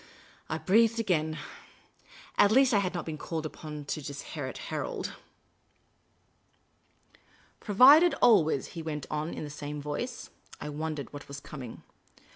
I breathed again. At least, I had not been called upon to disinherit Harold. " Provided always " he went on, in the same voice. I wondered what was coming.